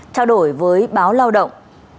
trao đổi với báo lao động